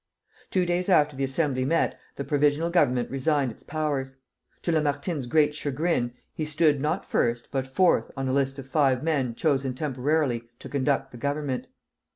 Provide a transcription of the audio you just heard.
Two days after the Assembly met, the Provisional Government resigned its powers. To Lamartine's great chagrin, he stood, not first, but fourth, on a list of five men chosen temporarily to conduct the government.